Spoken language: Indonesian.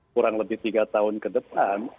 kurang lebih tiga tahun ke depan